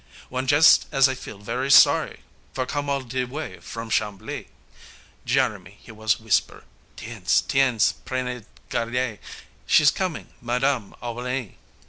W'en jus' as I feel very sorry, for come all de way from Chambly, Jeremie he was w'isper, "Tiens, tiens, prenez garde, she's comin' Ma dam All ba nee!"